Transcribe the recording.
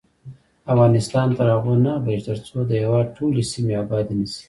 افغانستان تر هغو نه ابادیږي، ترڅو د هیواد ټولې سیمې آبادې نه شي.